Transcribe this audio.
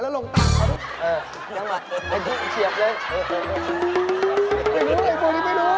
ไม่รู้แกปรุงไม่รู้